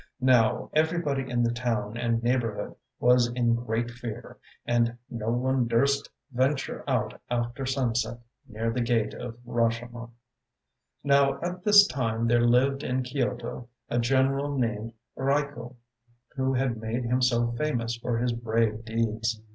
Now everybody in the town and neighborhood was in great fear, and no one durst venture out after sunset near the Gate of Rashomon. Now at this time there lived in Kyoto a general named Raiko, who had made himself famous for his brave deeds.